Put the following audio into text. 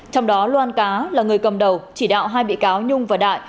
trong đó loan cá là người cầm đầu chỉ đạo hai bị cáo nhung và đại